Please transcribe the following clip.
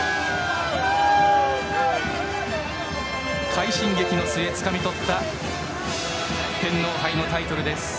快進撃の末、つかみとった天皇杯のタイトルです。